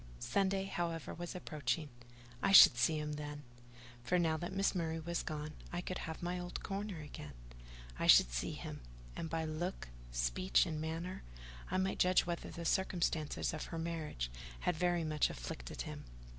Sunday, however, was approaching: I should see him then: for now that Miss Murray was gone, I could have my old corner again. I should see him, and by look, speech, and manner, I might judge whether the circumstance of her marriage had very much afflicted him.